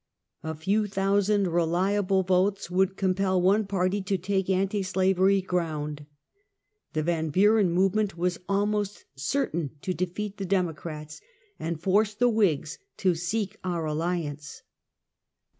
A few thousand reliable votes would com pel one party to take anti slavery ground. The Yan Buren movement was almost certain to defeat the Dem ocrats, and force the Whigs to seek our alliance.